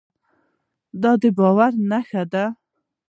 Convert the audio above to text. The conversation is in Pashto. دا د باور نښه ده.